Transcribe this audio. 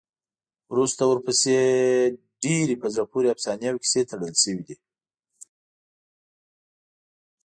وروسته ورپسې ډېرې په زړه پورې افسانې او کیسې تړل شوي دي.